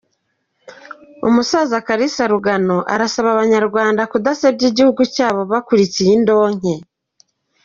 Umusaza Kalisa Rugano arasaba Abanyarwanda kudasebya igihugu cyabo bakurikiye indonke.